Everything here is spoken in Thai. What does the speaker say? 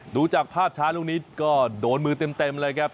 ดูจากภาพช้าลูกนี้ก็โดนมือเต็มเลยครับ